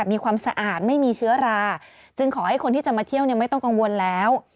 มีความสะอาดไม่มีเชื้อราจึงขอให้คนที่จะมาเที่ยวไม่ต้องกังวลแล้ว